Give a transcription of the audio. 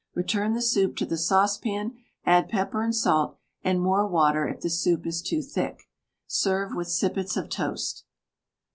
Return the soup to the saucepan, add pepper and salt, and more water if the soup is too thick. Serve with sippets of toast.